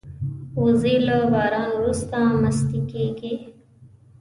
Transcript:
وزې له باران وروسته مستې کېږي